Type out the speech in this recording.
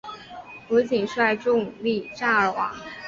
吴瑾率众力战而亡。